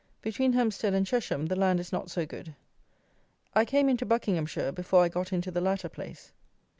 Between Hempstead and Chesham the land is not so good. I came into Buckinghamshire before I got into the latter place.